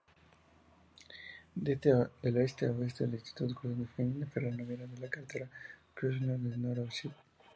De este a oeste del distrito cruzan la línea ferroviaria y la carretera Krasnodar-Novorosisk.